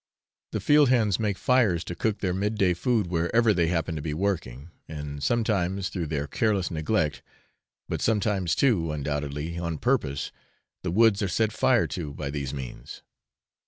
The 'field hands' make fires to cook their mid day food wherever they happen to be working; and sometimes through their careless neglect, but sometimes too undoubtedly on purpose, the woods are set fire to by these means.